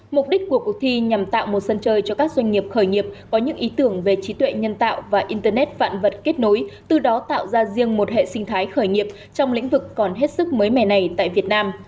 mục đích của cuộc thi nhằm tạo một sân chơi cho các doanh nghiệp khởi nghiệp có những ý tưởng về trí tuệ nhân tạo và internet vạn vật kết nối từ đó tạo ra riêng một hệ sinh thái khởi nghiệp trong lĩnh vực còn hết sức mới mẻ này tại việt nam